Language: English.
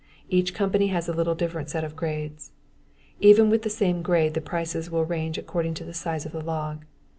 Each company has a little different set of grades. Even with the same grade the prices will range according to the size of the log.